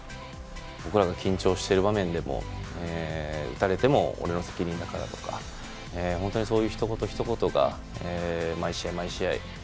僕らが緊張している場面でも打たれても俺の責任だからとか本当にそういうひと言ひと言が毎試合毎試合